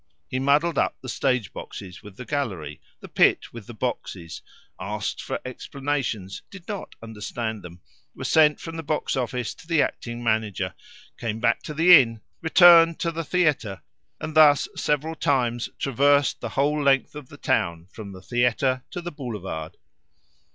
He muddled up the stage boxes with the gallery, the pit with the boxes; asked for explanations, did not understand them; was sent from the box office to the acting manager; came back to the inn, returned to the theatre, and thus several times traversed the whole length of the town from the theatre to the boulevard.